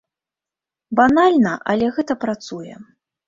Банальна, але гэта працуе.